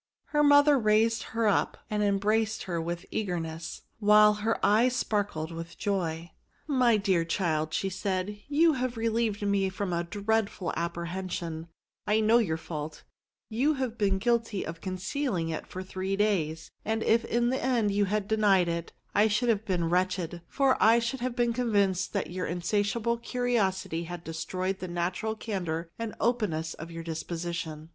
Her mother raised her up, and embraced her with eager ness, while her eyes sparkled with joy. *' My dear child," said she, " you have re lieved me from a dreadful apprehension: I know your fault ; you have been guilty of concealing it for three days; and if in the end you had denied it, I should have been wretched; for I should have been convinced that your insatiable curiosity had destroyed the natural candour and openness of your dis position.